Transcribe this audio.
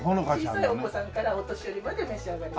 小さいお子さんからお年寄りまで召し上がれる。